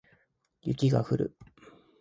雪が降る